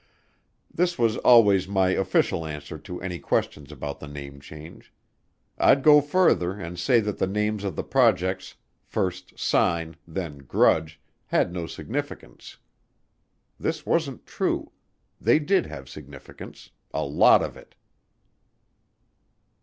This was always my official answer to any questions about the name change. I'd go further and say that the names of the projects, first Sign, then Grudge, had no significance. This wasn't true, they did have significance, a lot of it.